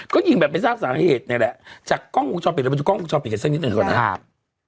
เข้ามาพลิกอัพคันอันเนี้ยชอบหน่อยนะครับ